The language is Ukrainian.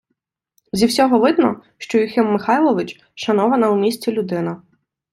Зі всього видно, що Юхим Михайлович – шанована у місті людина.